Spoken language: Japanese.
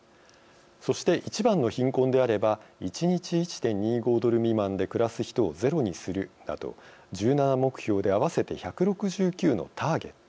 そして、１番の貧困であれば１日１．２５ドル未満で暮らす人をゼロにするなど１７目標で合わせて１６９のターゲット